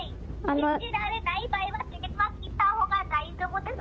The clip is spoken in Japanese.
信じられない場合は、電話切ったほうが大丈夫です。